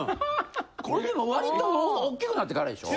これでも割ともう大きくなってからでしょ？